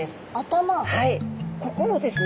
ここのですね